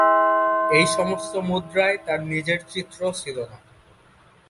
এই সমস্ত মুদ্রায় তার নিজের চিত্র ছিল না।